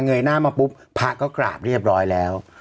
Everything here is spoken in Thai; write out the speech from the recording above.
ยหน้ามาปุ๊บพระก็กราบเรียบร้อยแล้ว